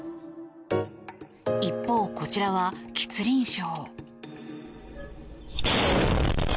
一方、こちらは吉林省。